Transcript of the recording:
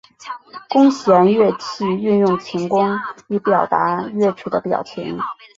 弓弦乐器运用琴弓以表达乐曲的表情。